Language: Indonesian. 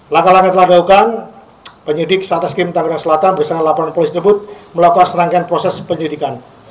langkah langkah telah dilakukan penyidik satreskrim tangerang selatan bersama laporan polisi tersebut melakukan serangkaian proses penyidikan